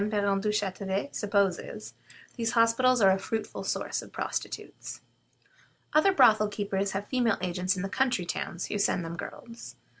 Parent Duchatelet supposes, these hospitals are a fruitful source of prostitutes. Other brothel keepers have female agents in the country towns, who send them girls.